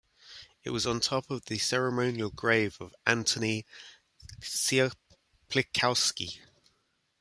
It was on top of the ceremonial grave of Antoni Cierplikowski.